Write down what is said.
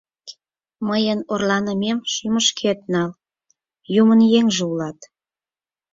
Мыйын орланымем шӱмышкет нал, юмын еҥже улат.